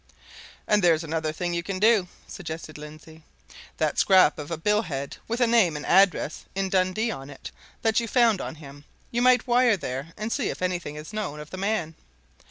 "And there's another thing you can do," suggested Lindsey. "That scrap of a bill head with a name and address in Dundee on it, that you found on him, you might wire there and see if anything is known of the man.